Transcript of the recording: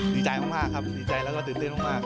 ดีใจมากครับดีใจแล้วก็ตื่นเต้นมาก